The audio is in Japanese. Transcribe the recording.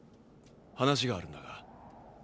話があるんだが。